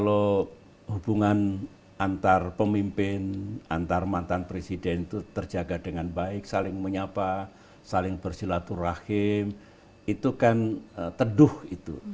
kalau hubungan antar pemimpin antar mantan presiden itu terjaga dengan baik saling menyapa saling bersilaturahim itu kan teduh itu